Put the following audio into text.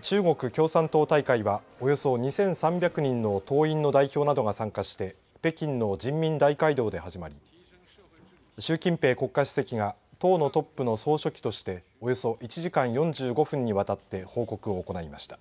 中国共産党大会はおよそ２３００人の党員の代表などが参加して北京の人民大会堂で始まり習近平国家主席が党のトップの総書記としておよそ１時間４５分にわたって報告を行いました。